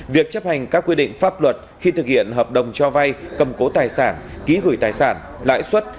việc chấp hành các quy định pháp luật khi thực hiện hợp đồng cho vay cầm cố tài sản ký gửi tài sản lãi suất